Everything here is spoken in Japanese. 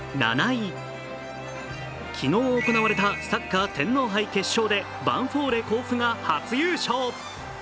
昨日行われたサッカー天皇杯決勝でヴァンフォーレ甲府が初優勝。